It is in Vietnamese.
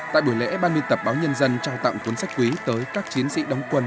tại buổi lễ ban miên tập báo nhân dân trao tặng cuốn sách quý tới các chiến sĩ đóng quân